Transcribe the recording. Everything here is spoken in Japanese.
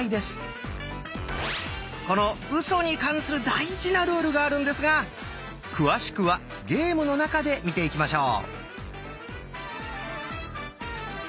この「ウソ」に関する大事なルールがあるんですが詳しくはゲームの中で見ていきましょう。